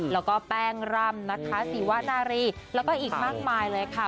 แล้วก็แป้งร่ำนะคะสีวนารีแล้วก็อีกมากมายเลยค่ะ